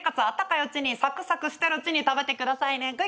あったかいうちにサクサクしてるうちに食べてくださいね。